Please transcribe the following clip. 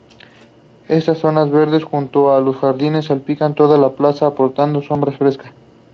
Estas zonas verdes, junto con los jardines, salpican toda la plaza, aportando sombra fresca.